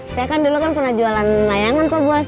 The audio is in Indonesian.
saya kan dulu pernah jualan layangan pak bos